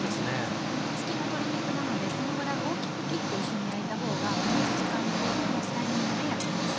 骨つきの鶏肉なのでこのぐらい大きく切って一緒に焼いたほうが同じ時間で同じタイミングで焼けます。